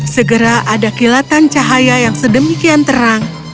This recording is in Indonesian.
segera ada kilatan cahaya yang sedemikian terang